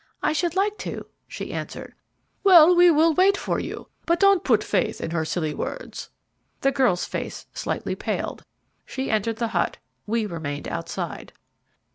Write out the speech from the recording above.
I should like to," she answered. "Well, we will wait for you; but don't put faith in her silly words." The girl's face slightly paled. She entered the hut; we remained outside.